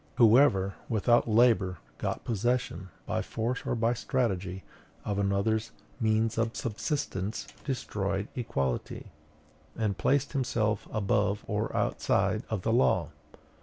Whoever without labor got possession, by force or by strategy, of another's means of subsistence, destroyed equality, and placed himself above or outside of the law.